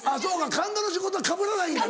神田の仕事はかぶらないんだ。